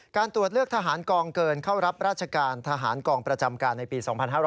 การตรวจเลือกทหารกองเกินเข้ารับราชการทหารกองประจำการในปี๒๕๕๙